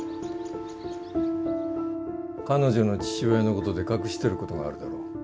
彼女の父親のことで隠してることがあるだろ？